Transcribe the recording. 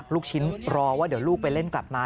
ลูกชิ้นรอว่าเดี๋ยวลูกไปเล่นกลับมา